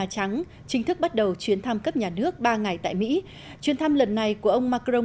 chính thức bắt đầu chuyến thăm cấp nhà nước ba ngày tại mỹ chuyến thăm lần này của ông macron